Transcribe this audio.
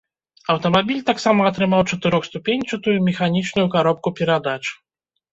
Аўтамабіль таксама атрымаў чатырохступеньчатую механічную каробку перадач.